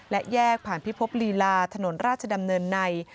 และแยกผ่านพิภพลีลาถนนราชดำเนินใน